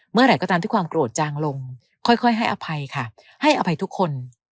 เมื่อไหร่ก็ตามที่ความโกรธจางลงค่อยให้อภัยค่ะให้อภัยทุกคน